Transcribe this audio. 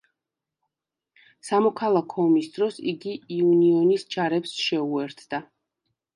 სამოქალაქო ომის დროს იგი იუნიონის ჯარებს შეუერთდა.